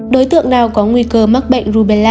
đối tượng nào có nguy cơ mắc bệnh rubella